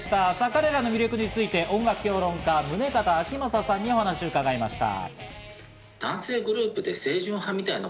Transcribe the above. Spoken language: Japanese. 彼らの魅力について音楽評論家・宗像明将さんにお話を伺いました。